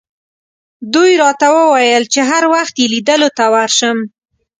دوی راته وویل چې هر وخت یې لیدلو ته ورشم.